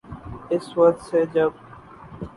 اس وقت سے جب